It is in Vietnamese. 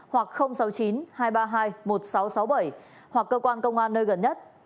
hoặc sáu mươi chín hai trăm ba mươi hai một nghìn sáu trăm sáu mươi bảy hoặc cơ quan công an nơi gần nhất